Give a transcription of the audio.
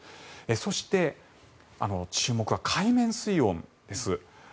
そして、注目は海面水温です。